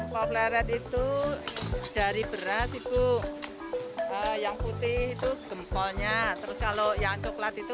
popleret itu dari beras ibu yang putih itu gempolnya terus kalau yang coklat itu